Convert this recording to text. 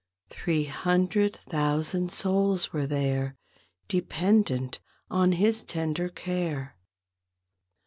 Three hundred thousand souls were there Dependent on His tender care.